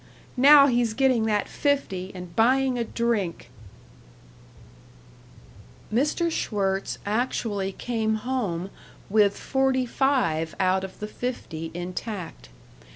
Now he's getting that fifty and buying a drink "§ 4 Mr. Schwirtz actually came home with forty five out of the fifty intact.